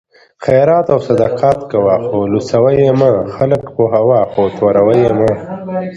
خیرات او صدقات کوه خو لوڅوه یې مه؛ خلک پوهوه خو توروه یې مه